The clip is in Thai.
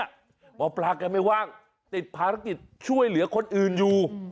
หมอปลาแกไม่ว่างติดภารกิจช่วยเหลือคนอื่นอยู่